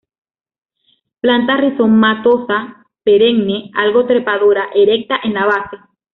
Planta rizomatosa, perenne, algo trepadora, erecta en la base.